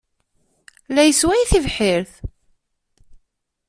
La yessway tibḥirt.